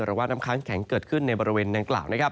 หรือว่าน้ำค้างแข็งเกิดขึ้นในบริเวณดังกล่าว